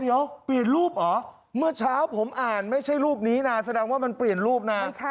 เดี๋ยวเปลี่ยนรูปเหรอเมื่อเช้าผมอ่านไม่ใช่รูปนี้นะแสดงว่ามันเปลี่ยนรูปนะ